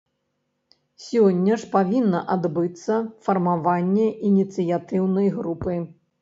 Сёння ж павінна адбыцца фармаванне ініцыятыўнай групы.